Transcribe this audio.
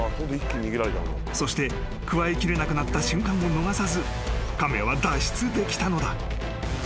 ［そしてくわえきれなくなった瞬間を逃さず亀は脱出できたのだ］